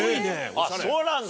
あっそうなんだ！